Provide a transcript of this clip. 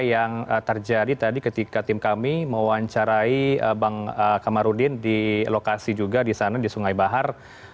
yang terjadi tadi ketika tim kami mewawancarai bang kamarudin di lokasi juga di sana di sungai bahar